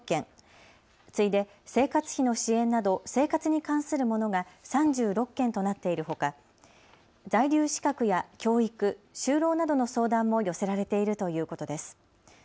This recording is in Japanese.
次いで生活費の支援など生活に関するものが３６件となっているほか在留資格や教育、就労などの相談も寄せられているということです。